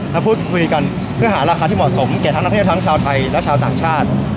ถ้าพูดคุยกันเพื่อหาราคาที่เหมาะสมเกี่ยวทั้งทั้งทั้งชาวไทยและชาวต่างชาติ